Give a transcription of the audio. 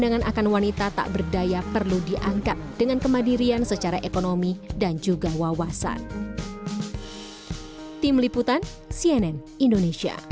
perdagangan akan wanita tak berdaya perlu diangkat dengan kemandirian secara ekonomi dan juga wawasan